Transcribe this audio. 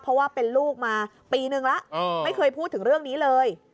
เพราะว่าเป็นลูกมาปีนึงแล้วไม่เคยพูดถึงเรื่องนี้เลย